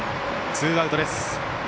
ツーアウトです。